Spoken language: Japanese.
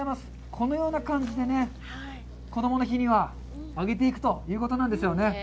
このような感じでねこどもの日には揚げていくということなんですよね。